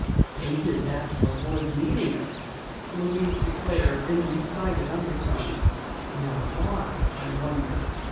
"They did that to avoid meeting us!" Louise declared in an excited undertone. "Now why, I wonder?"